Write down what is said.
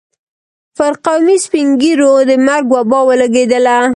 پر قومي سپين ږيرو د مرګ وبا ولګېدله.